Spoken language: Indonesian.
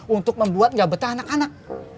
untuk membuat nggak betah anak anak